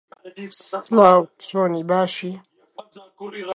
تەیارەش لە سەرمان دەخولایەوە